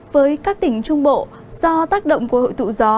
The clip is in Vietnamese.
với các tỉnh trung bộ do tác động của hội tụ gió